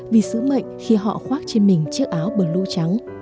vì sứ mệnh khi họ khoác trên mình chiếc áo bờ lũ trắng